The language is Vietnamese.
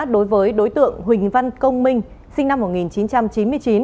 đối với đối tượng huỳnh văn công minh sinh năm một nghìn chín trăm chín mươi chín